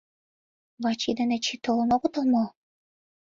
Вачи ден Эчи толын огытыл мо?